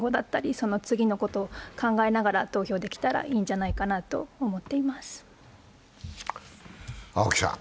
その次のことを考えながら投票できたらいいんじゃないかなと思っています。